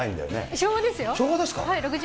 昭和ですか？